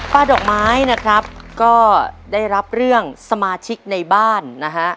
ดอกไม้นะครับก็ได้รับเรื่องสมาชิกในบ้านนะฮะ